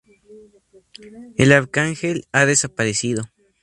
El arcángel ha desaparecido.